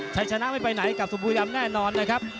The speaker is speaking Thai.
ชัยชนะไม่ไปไหนกับสุบุรีรำแน่นอนนะครับ